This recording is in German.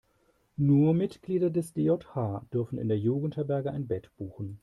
Nur Mitglieder des DJH dürfen in der Jugendherberge ein Bett buchen.